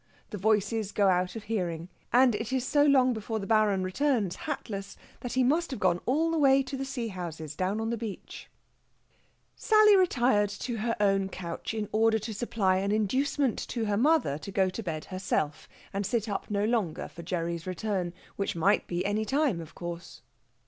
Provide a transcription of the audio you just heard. The voices go out of hearing, and it is so long before the Baron returns, hatless, that he must have gone all the way to the sea houses down on the beach. Sally retired to her own couch in order to supply an inducement to her mother to go to bed herself, and sit up no longer for Gerry's return, which might be any time, of course.